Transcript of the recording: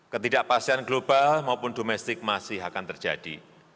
ketidakpastian global maupun domestik masih akan terjadi